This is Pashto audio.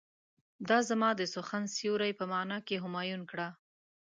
دا زما د سخن سيوری په معنی کې همایون کړه.